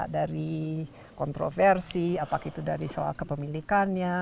dari kontroversi apakah itu dari soal kepemilikannya